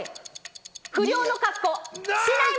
不良の格好。